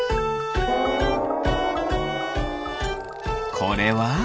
これは？